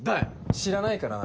知らないからな。